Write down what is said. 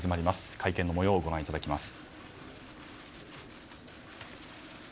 会見の模様をご覧いただきます。